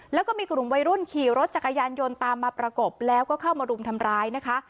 แล้วก็มีกลุ่มวัยรุ่นขี่รถจักรยานยนต์ตามมาประกบแล้วก็เข้ามารุมทำร้ายนะคะ